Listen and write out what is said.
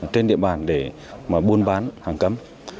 trên địa bàn để buôn bán hàng cấm